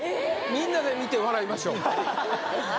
みんなで見て笑いましょうははは